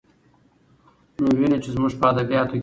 نو وينو، چې زموږ په ادبياتو کې